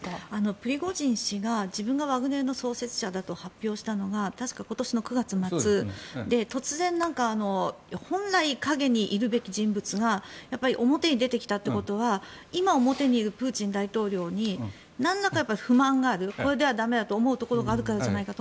プリゴジン氏が自分がワグネルの創設者だと発表したのが確か今年の９月末で突然、本来、陰にいるべき人物が表に出てきたということは今、表にいるプーチン大統領になんらかの不満があるこれでは駄目だと思うところがあるからじゃないかと